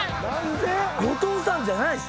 後藤さんじゃないっす。